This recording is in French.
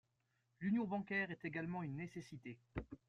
L’union bancaire est également une nécessité.